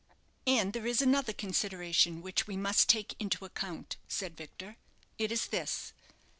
"And there is another consideration which we must take into account," said Victor; "it is this.